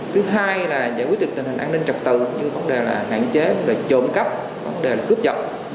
thứ hai là giải quyết được tình hình an ninh trật tự như vấn đề là hạn chế vấn đề là trộm cắp vấn đề là cướp chậm